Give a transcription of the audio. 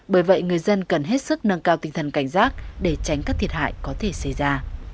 bởi vậy người dân cần hết sức nâng cao tinh thần cảnh giác để tránh các thiệt hại có thể xảy ra